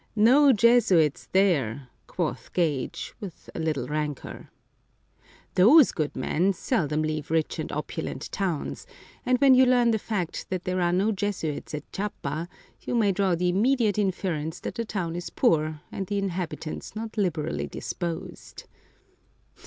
No Jesuits there! quoth Gage, with a little rancour. Those good men seldom leave rich and opulent towns ; and when you learn the fact that there are no Jesuits at Chiapa, you may draw the immediate inference that the town is poor, and the inhabitants not liberally disposed.